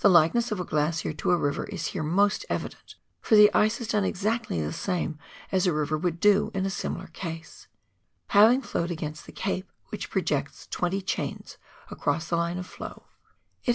The likeness of a glacier to a river is here most evident, for the ice has done exactly the same as a river would do in a similar case. Having flowed against the Cape, which projects twenty chains across the line of flow, it has 172 PIONEER WORK IN THE ALPS OF NEW ZEALAND.